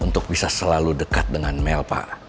terlalu dekat dengan mel pak